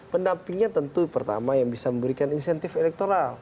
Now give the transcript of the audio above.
pendampingnya tentu pertama yang bisa memberikan insentif elektoral